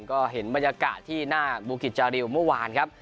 ก็เห็นบรรยากาศที่หน้าบูกิจจาริวเมื่อวานครับ